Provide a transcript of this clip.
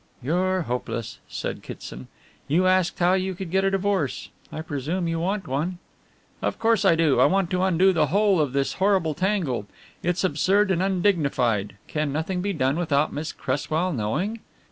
"You're hopeless," said Kitson, "you asked how you could get a divorce. I presume you want one." "Of course I do. I want to undo the whole of this horrible tangle. It's absurd and undignified. Can nothing be done without Miss Cresswell knowing?"